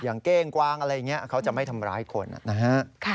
เก้งกวางอะไรอย่างนี้เขาจะไม่ทำร้ายคนนะฮะ